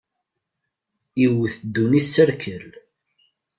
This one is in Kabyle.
Iwwet ddunit s rrkel.